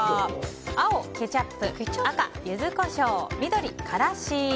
青、ケチャップ赤、ユズコショウ緑、辛子。